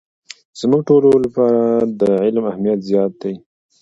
زموږ ټولو لپاره د علم اهمیت زیات دی.